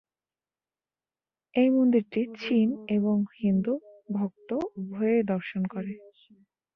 এই মন্দিরটি চীন এবং হিন্দু ভক্ত উভয়ই দর্শন করে।